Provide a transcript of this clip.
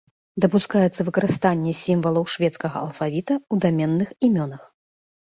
Дапускаецца выкарыстанне сімвалаў шведскага алфавіта ў даменных імёнах.